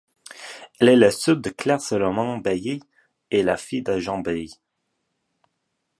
Elle est la sœur de Claire Salomon-Bayet et la fille de Jean Bayet.